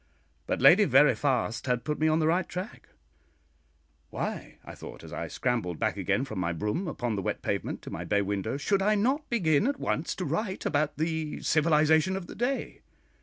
But Lady Veriphast had put me on the right track: why, I thought as I scrambled back again from my brougham across the wet pavement to my bay window, should I not begin at once to write about the civilisation of the day?